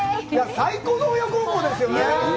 最高の親孝行ですよね。